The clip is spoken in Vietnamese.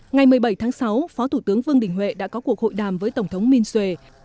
ngày một mươi bảy tháng sáu phó thủ tướng vương đình huệ đã có cuộc hội đàm với tổng thống minh suệ